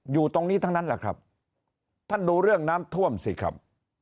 อยู่ตรงนี้ทั้งนั้นแหละครับท่านดูเรื่องน้ำท่วมสิครับ